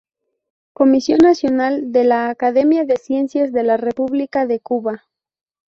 Comisión Nacional de la Academia de Ciencias de la República de Cuba.